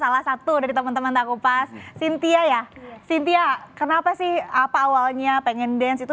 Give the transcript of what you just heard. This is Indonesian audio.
salah satu dari teman teman aku pas cynthia ya cynthia kenapa sih apa awalnya pengen dance itu